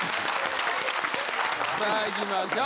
さあいきましょう。